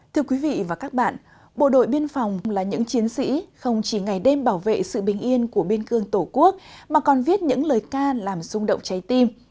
thưa quý vị và các bạn bộ đội biên phòng là những chiến sĩ không chỉ ngày đêm bảo vệ sự bình yên của biên cương tổ quốc mà còn viết những lời ca làm rung động trái tim